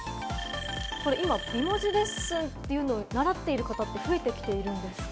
今、美文字レッスンを習っている方は増えてきているんですか？